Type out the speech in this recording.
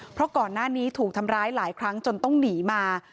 เพราะก่อนหน้านี้ถูกทำร้ายหลายครั้งจนต้องหนีมา